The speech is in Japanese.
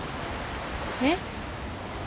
えっ？